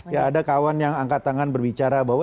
ya ada kawan yang angkat tangan berbicara bahwa